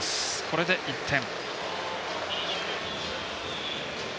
これで１点。